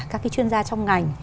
các cái chuyên gia trong ngành